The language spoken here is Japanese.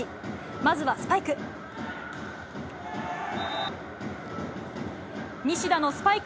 まずはスパイク。